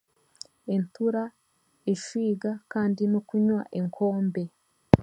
Entura eswiga kandi n'okunywa enkombe